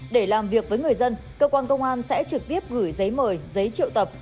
để làm việc với người dân cơ quan công an sẽ trực tiếp gửi giấy mời giấy triệu tập